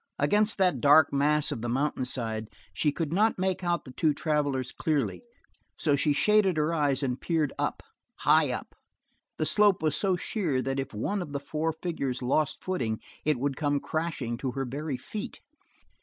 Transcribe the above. Against that dark mass of the mountainside, she could not make out the two travelers clearly, so she shaded her eyes and peered up, high up. The slope was so sheer that if one of the four figures lost footing it would come crashing to her very feet.